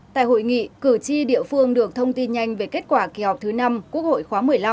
tại hội nghị cử tri địa phương được thông tin nhanh về kết quả kỳ họp thứ năm quốc hội khóa một mươi năm